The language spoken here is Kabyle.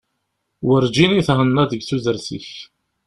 Werǧin i thennaḍ deg tudert-ik.